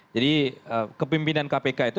jadi kepimpinan kpk itu